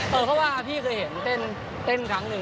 เพราะว่าพี่เคยเห็นเต้นครั้งหนึ่ง